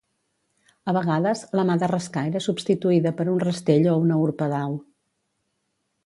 A vegades, la mà de rascar era substituïda per un rastell o una urpa d'au.